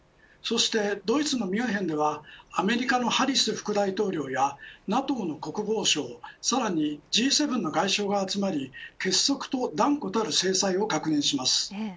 そしてドイツのミュンヘンではアメリカのハリス副大統領やＮＡＴＯの国防相、さらにＧ７の外相が集まり結束と断固たる制裁を確認します